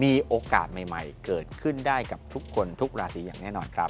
มีโอกาสใหม่เกิดขึ้นได้กับทุกคนทุกราศีอย่างแน่นอนครับ